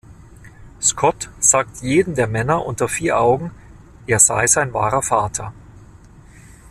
Scott sagt jedem der Männer unter vier Augen, er sei sein wahrer Vater.